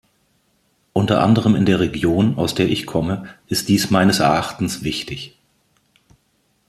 Unter anderem in der Region, aus der ich komme, ist dies meines Erachtens wichtig.